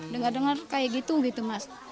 dengar dengar kayak gitu gitu mas